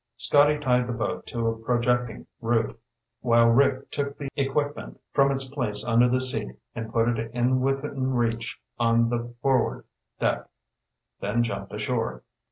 Scotty tied the boat to a projecting root while Rick took the equipment from its place under the seat and put it within reach on the forward deck, then jumped ashore.